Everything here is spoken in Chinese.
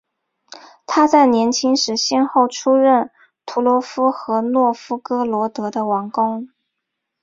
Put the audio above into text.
他在年轻时先后出任图罗夫和诺夫哥罗德的王公。